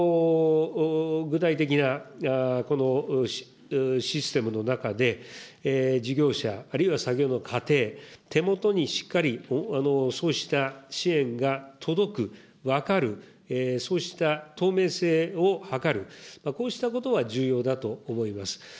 具体的なこのシステムの中で、事業者、あるいは先ほどの家庭、手元にしっかりそうした支援が届く、分かる、そうした透明性を図る、こうしたことが重要だと思います。